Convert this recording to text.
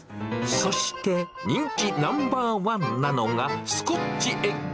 そして、人気ナンバー１なのが、スコッチエッグ。